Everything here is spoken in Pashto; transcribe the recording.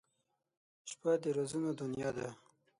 • شپه د رازونو دنیا ده.